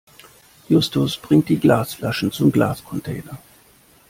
Justus bringt die Glasflaschen zum Glascontainer.